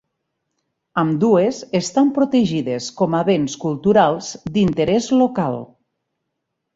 Ambdues estan protegides com a béns culturals d'interès local.